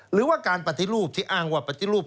หรือว่าการปฏิรูปที่อ้างว่าปฏิรูป